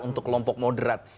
untuk kelompok moderat